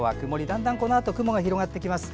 だんだんこのあと雲が広がってきます。